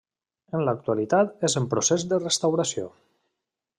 En l'actualitat és en procés de restauració.